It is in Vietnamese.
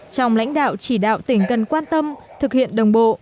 trong lãnh đạo chỉ đạo tỉnh cần quan tâm thực hiện đồng bộ